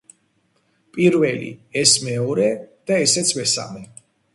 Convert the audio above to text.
პირველი, ეს მეორე და ესეც მესამე.